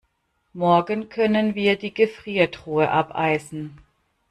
Morgen können wir die Gefriertruhe abeisen.